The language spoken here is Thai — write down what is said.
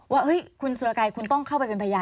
ว่าเอยคุณสัลร่ากายคุณต้องเข้าไปเป็นพยาน